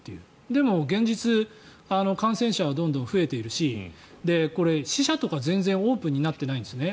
でも、現実感染者はどんどん増えているしこれ、死者とか全然オープンになってないんですね。